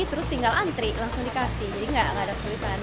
terus tinggal antri langsung dikasih jadi nggak ada kesulitan